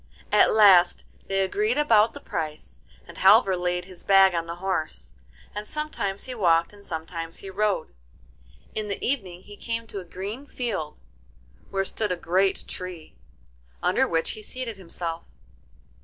At last they agreed about the price, and Halvor laid his bag on the horse, and sometimes he walked and sometimes he rode. In the evening he came to a green field, where stood a great tree, under which he seated himself.